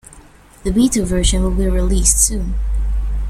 The Beta version will be released soon.